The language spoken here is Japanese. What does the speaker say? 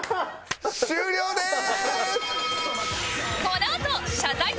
終了です！